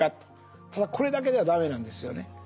ただこれだけでは駄目なんですよね。